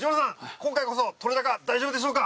今回こそ撮れ高大丈夫でしょうか？